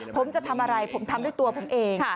ผมจะทำอะไรผมทำด้วยตัวผมเอง